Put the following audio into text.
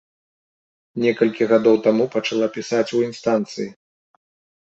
Некалькі гадоў таму пачала пісаць у інстанцыі.